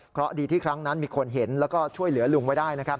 เพราะดีที่ครั้งนั้นมีคนเห็นแล้วก็ช่วยเหลือลุงไว้ได้นะครับ